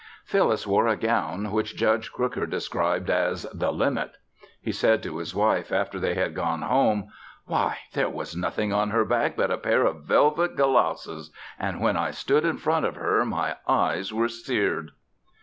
Phyllis wore a gown which Judge Crooker described as "the limit." He said to his wife after they had gone home: "Why, there was nothing on her back but a pair of velvet gallowses and when I stood in front of her my eyes were seared."